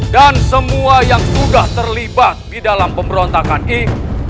dan semua yang sudah terlibat di dalam pemberontakan ini